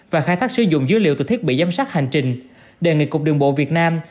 và khai thác sử dụng dữ liệu từ thiết bị giám sát hành trình đề nghị cục đường bộ việt nam